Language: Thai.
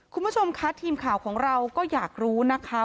คุณผู้ชมคะทีมข่าวของเราก็อยากรู้นะคะ